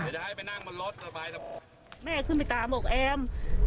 เดี๋ยวจะให้ไปนั่งบนรถสบายสมมุติแม่ขึ้นไปตามบอกแอ้ม